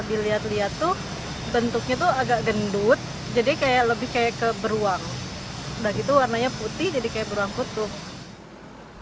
udah gitu warnanya putih jadi kayak beruang kutub